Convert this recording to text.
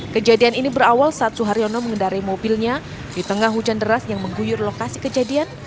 kejadian ini berawal saat suharyono mengendari mobilnya di tengah hujan deras yang mengguyur lokasi kejadian